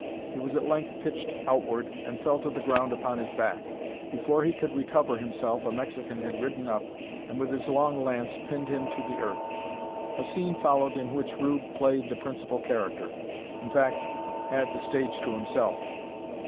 He was at length pitched outward, and fell to the ground upon his back. Before he could recover himself a Mexican had ridden up, and with his long lance pinned him to the earth. A scene followed in which Rube played the principal character; in fact, had "the stage to himself."